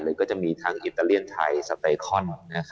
มันก็จะมีทั้งอิตาเลียนไทยสเตคอน